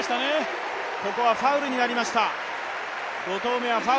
ここはファウルになりました。